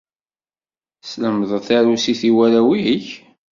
Teslemdeḍ tarusit i warraw-nnek.